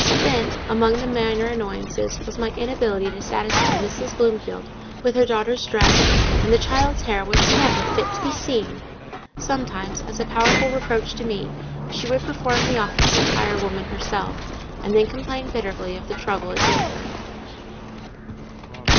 Then, among the minor annoyances, was my inability to satisfy Mrs. Bloomfield with her daughter's dress; and the child's hair "was never fit to be seen." Sometimes, as a powerful reproach to me, she would perform the office of tire woman herself, and then complain bitterly of the trouble it gave her.